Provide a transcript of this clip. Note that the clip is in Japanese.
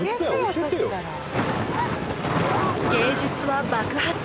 芸術は爆発！